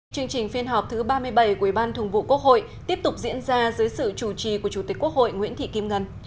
chương trình phiên họp thứ ba mươi bảy của ủy ban thường vụ quốc hội tiếp tục diễn ra dưới sự chủ trì của chủ tịch quốc hội nguyễn thị kim ngân